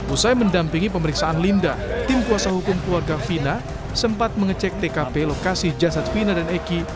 usai mendampingi pemeriksaan linda tim kuasa hukum keluarga vina sempat mengecek tkp lokasi jasad fina dan eki